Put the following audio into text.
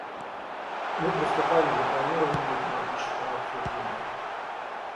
Мы приступаем к запланированному тематическому обсуждению.